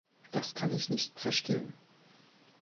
Das kann ich nicht verstehen!